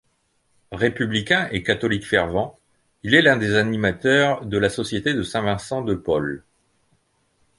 Républicain et catholique fervent, il est l'un des animateurs de la Société de Saint-Vincent-de-Paul.